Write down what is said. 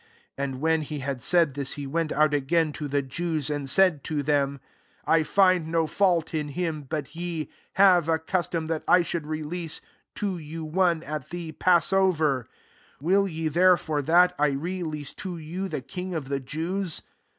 And when he had said this, he went out again to the Jews, and said to them, " I find no fault in him. 39 But ye have a custom, that I should release to you one, at the pass over : will ye, therefore, that I release to you the King of the Jews